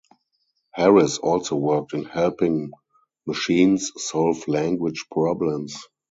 Harris also worked in helping machines solve language problems.